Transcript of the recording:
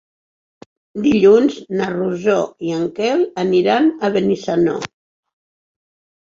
Dilluns na Rosó i en Quel aniran a Benissanó.